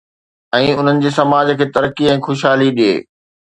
۽ انهن جي سماج کي ترقي ۽ خوشحالي ڏئي